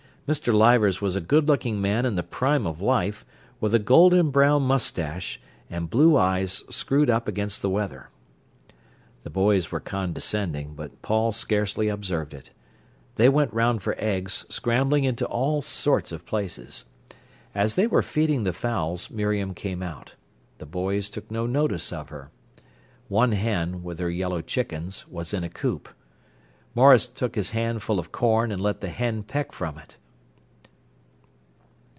Mr. Leivers was a good looking man in the prime of life, with a golden brown moustache, and blue eyes screwed up against the weather. The boys were condescending, but Paul scarcely observed it. They went round for eggs, scrambling into all sorts of places. As they were feeding the fowls Miriam came out. The boys took no notice of her. One hen, with her yellow chickens, was in a coop. Maurice took his hand full of corn and let the hen peck from it.